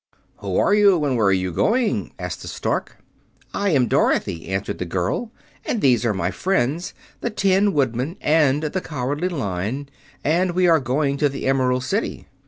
"Who are you and where are you going?" asked the Stork. "I am Dorothy," answered the girl, "and these are my friends, the Tin Woodman and the Cowardly Lion; and we are going to the Emerald City."